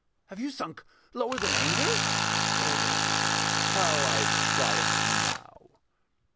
Have you sunk Lower than anger? LORD ORM. How I triumph now.